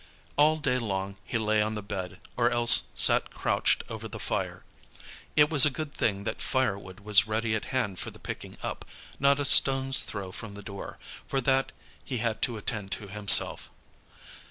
All day long he lay on the bed, or else sat crouched over the fire. It was a good thing that fire wood was ready at hand for the picking up, not a stone's throw from the door, for that he had to attend to himself.